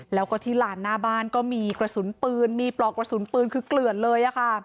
แล้วก็ที่ลานหน้าบ้านก็มีกระสุนปืนมีปลอกกระสุนปืนคือเกลือดเลย